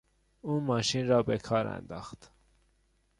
او ماشین را به کار انداخت.